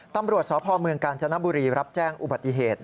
ตำรวจสพเมืองกาญจนบุรีรับแจ้งอุบัติเหตุ